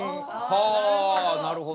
はあなるほど。